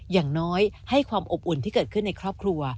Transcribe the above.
อย่างน้อยให้ความอบอุ่นที่เกิดขึ้นในครอบครัว